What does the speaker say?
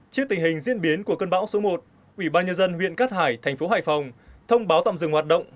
trước tình hình diễn biến của cơn bão số một ủy ban nhân dân huyện cát hải thành phố hải phòng thông báo tạm dừng hoạt động